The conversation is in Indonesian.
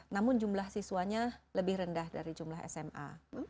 namun jumlah siswanya lebih rendah dari jumlah sma